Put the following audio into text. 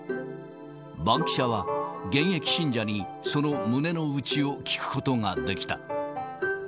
バンキシャは、現役信者にその胸の内を聞くことができた。